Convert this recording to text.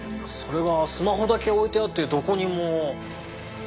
それがスマホだけ置いてあってどこにも。